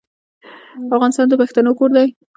افغانستان د پښتنو کور دی.